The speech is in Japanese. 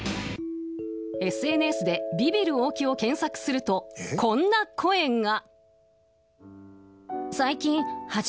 ＳＮＳでビビる大木を検索するとこんな声が。